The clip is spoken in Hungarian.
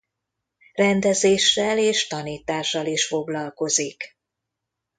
Rendezéssel és tanítással is foglalkozik.